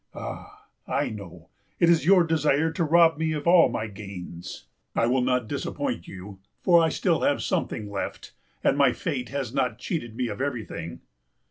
Ah, I know, it is your desire to rob me of all my gains. I will not disappoint you! For I still have something left, and my fate has not cheated me of everything.